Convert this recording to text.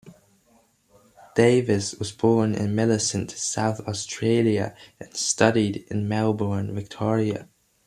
Davis was born in Millicent, South Australia and studied in Melbourne, Victoria.